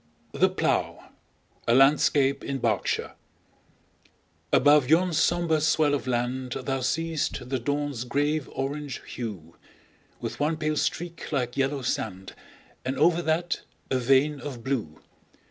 The Plough A LANDSCAPE IN BERKSHIRE ABOVE yon sombre swell of land Thou see'st the dawn's grave orange hue, With one pale streak like yellow sand, And over that a vein of blue.